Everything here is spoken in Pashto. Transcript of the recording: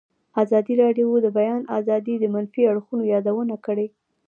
ازادي راډیو د د بیان آزادي د منفي اړخونو یادونه کړې.